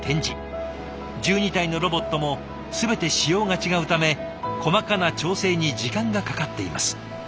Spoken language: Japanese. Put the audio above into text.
１２体のロボットも全て仕様が違うため細かな調整に時間がかかっています。